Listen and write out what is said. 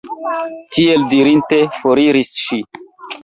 Tiel dirinte, foriris ŝi.